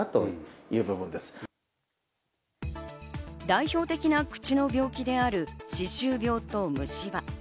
代表的な口の病気である歯周病と虫歯。